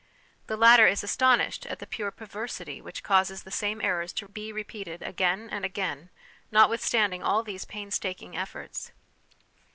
The latter is astonished at the pure perversity which causes the same errors to be repeated again and again, notwith standing all these painstaking efforts.